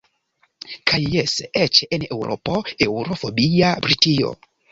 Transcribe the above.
Kaj jes – eĉ en eŭropo-, eŭro-fobia Britio.